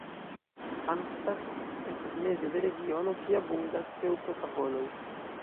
Arnstadt estas meze de regiono kie abundas keŭpro-tavoloj.